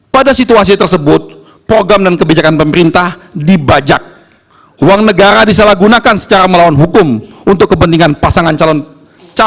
pada situasi tersebut program yang diperlukan adalah pembangunan pemerintah dan pemerintah negara